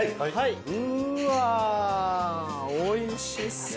うわおいしそう。